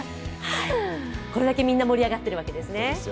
これだけみんな盛り上がってるわけですね。